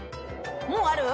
もうある？